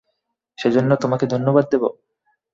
সেজন্য তোমাকে ধন্যবাদ দেব?